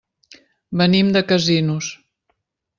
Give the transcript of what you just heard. Venim de Casinos.